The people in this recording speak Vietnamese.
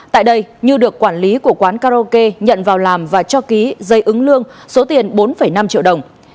tại đây như được quản lý của quán karaoke nhận vào làm và cho ký dây ứng lương số tiền bốn năm triệu đồng